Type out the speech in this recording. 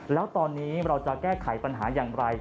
แล้วตอนนี้เราจะแก้ไขปัญหาอย่างไร